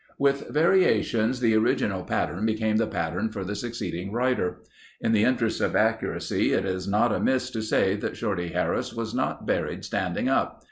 With variations the original pattern became the pattern for the succeeding writer. In the interest of accuracy it is not amiss to say that Shorty Harris was not buried standing up.